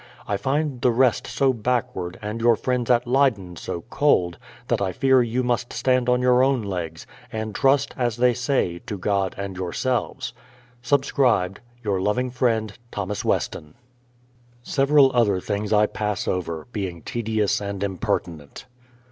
... I find the rest so backward, and your friends at Leyden so cold, that I fear you must stand on your own legs, and trust (as they say) to God and yourselves. Subscribed, Your loving friend, THOS. WESTON. Several other things I pass over, being tedious and im pertinent.